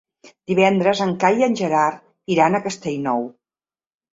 Divendres en Cai i en Gerard iran a Castellnou.